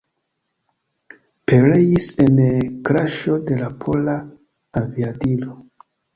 Pereis en kraŝo de la pola aviadilo.